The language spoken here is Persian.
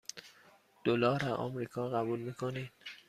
دلار آمریکا قبول می کنید؟